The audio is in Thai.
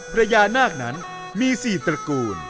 พญานาคนั้นมี๔ตระกูล